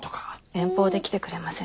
遠方で来てくれません。